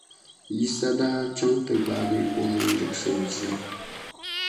Yisa daa chaŋ ti gbaagi o nuu ni yiɣis’ o ʒili.